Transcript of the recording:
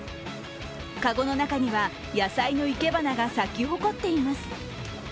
かごの中には野菜の生け花が咲き誇っています。